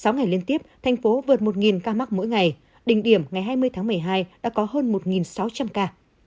sáu ngày liên tiếp thành phố vượt một ca mắc mỗi ngày đỉnh điểm ngày hai mươi tháng một mươi hai đã có hơn một sáu trăm linh ca